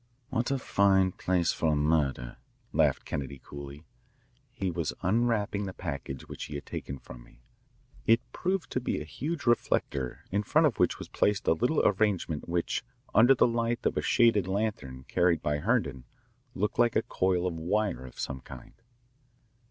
"What a fine place for a murder," laughed Kennedy coolly. He was unwrapping the package which he had taken from me. It proved to be a huge reflector in front of which was placed a little arrangement which, under the light of a shaded lantern carried by Herndon, looked like a coil of wire of some kind.